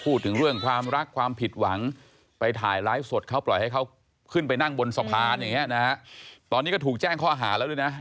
พูดถึงเรื่องความรักความผิดหวังไปถ่ายไลฟ์สดเขาปล่อยให้เขาขึ้นไปนั่งบนสะพานอย่างนี้นะฮะตอนนี้ก็ถูกแจ้งข้อหาแล้วด้วยนะ